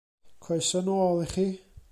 Croeso nôl i chi.